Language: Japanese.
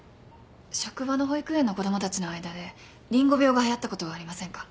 職場の保育園の子供たちの間でリンゴ病がはやったことはありませんか？